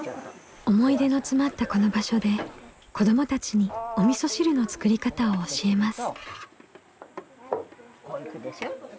思い出の詰まったこの場所で子どもたちにおみそ汁の作り方を教えます。